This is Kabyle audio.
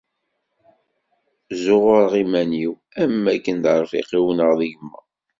Ẓẓuɣureɣ iman-iw, am wakken d arfiq-iw neɣ d gma.